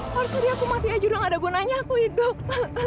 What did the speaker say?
harus jadi aku mati aja udah gak ada gunanya aku hidup